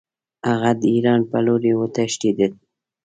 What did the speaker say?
هغه د ایران په لوري وتښتېد.